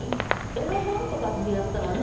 「エロ本」とかってやったら。